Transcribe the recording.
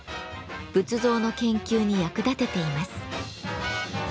仏像の研究に役立てています。